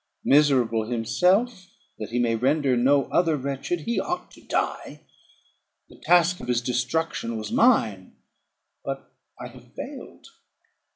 Miserable himself, that he may render no other wretched, he ought to die. The task of his destruction was mine, but I have failed.